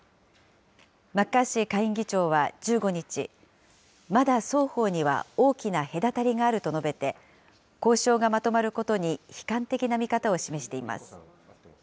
マッカーシー下院議長は１５日、まだ双方には大きな隔たりがあると述べて、交渉がまとまることに悲観的な見方を示しています。